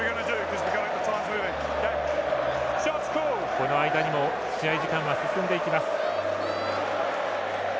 この間にも試合時間は進んでいきます。